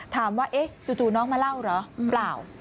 ถามว่าจู่น้องมาเล่าเหรอเปล่า